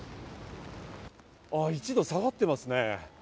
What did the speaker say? １度下がってますね。